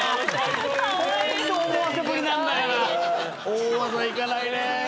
大技いかないね。